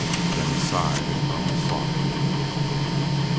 Then he sighed, and groaned softly.